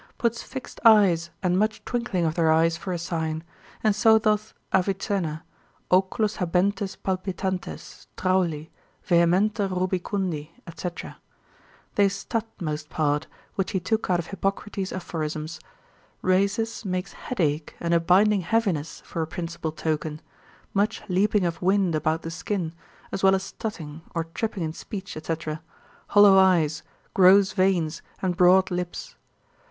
puts fixed eyes and much twinkling of their eyes for a sign, and so doth Avicenna, oculos habentes palpitantes, trauli, vehementer rubicundi, &c., lib. 3. Fen. 1. Tract. 4. cap. 18. They stut most part, which he took out of Hippocrates' aphorisms. Rhasis makes headache and a binding heaviness for a principal token, much leaping of wind about the skin, as well as stutting, or tripping in speech, &c., hollow eyes, gross veins, and broad lips.